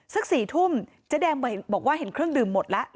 สัก๔ทุ่มเจ๊แดงบอกว่าเห็นเครื่องดื่มหมดแล้ว